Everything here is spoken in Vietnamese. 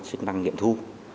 xức năng nghiệm thu